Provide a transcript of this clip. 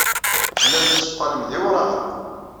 Tellam tetteqqalem d iwraɣen.